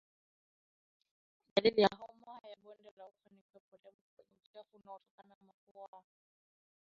Dalili ya homa ya bonde la ufa ni kuwepo damu kwenye uchafu unaotoka puani